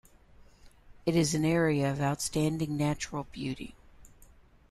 It is an area of outstanding natural beauty.